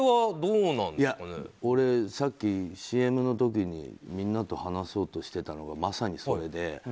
俺、さっきＣＭの時にみんなと話そうとしてたのがまさに、それで。